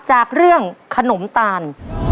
จากเรื่องขนมตาล